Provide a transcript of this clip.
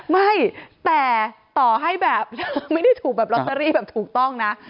ไม่แต่ต่อให้แบบไม่ได้ถูกแบบลอตเตอรี่แบบถูกต้องนะ